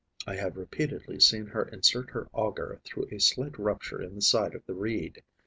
I have repeatedly seen her insert her auger through a slight rupture in the side of the reed.